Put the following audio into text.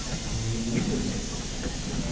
Не будет?